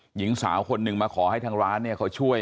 หญิงสาวคนหนึ่งมาขอให้ทางร้านเนี่ยเขาช่วย